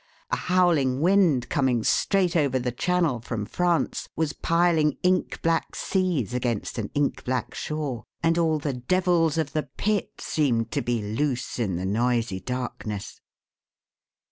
A howling wind, coming straight over the Channel from France, was piling ink black seas against an ink black shore, and all the devils of the pit seemed to be loose in the noisy darkness.